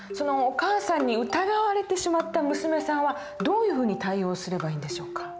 お母さんに疑われてしまった娘さんはどういうふうに対応すればいいんでしょうか？